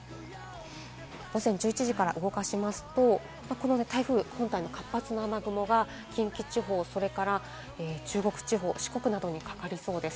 午前１１時から動かしますと、台風本体の活発な雨雲が近畿地方、それから中国地方、四国などにかかりそうです。